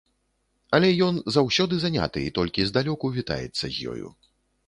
Але ён заўсёды заняты і толькі здалёку вітаецца з ёю.